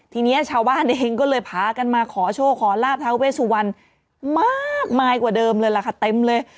ทีนี้ชาวบ้านเองก็เลยพากันมาขอโชคขอลาบท้าเวสุวรรณมากมายกว่าเดิมเลยล่ะค่ะเต็มเลย